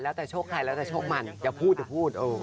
แล้วแต่โชคใครแล้วแต่โชคมันอย่าพูด